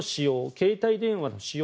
携帯電話の使用